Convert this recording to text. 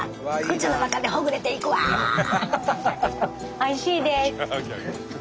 おいしいです！